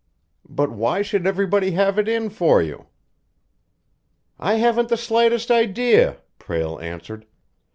But why should everybody have it in for you?" "I haven't the slightest idea," Prale answered.